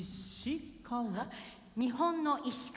日本の石川。